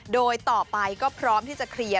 โดยต่อไปก็พร้อมที่จะเคลียร์